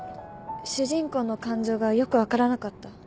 主人公の感情がよく分からなかった